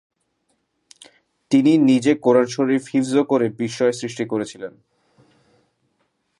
তিনি নিজে নিজে কোরআন শরীফ হিফজ করে বিস্ময় সৃষ্টি করেছিলেন।